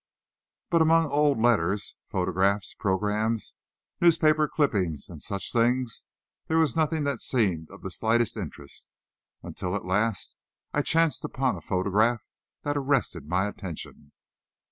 But among old letters, photographs, programs, newspaper clippings, and such things, there was nothing that seemed of the slightest interest, until at last I chanced upon a photograph that arrested my attention.